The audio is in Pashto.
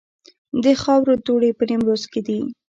د خاورو دوړې په نیمروز کې دي